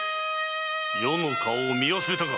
余の顔を見忘れたか！